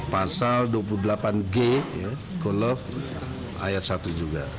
pasal dua puluh delapan g kulaf ayat satu juga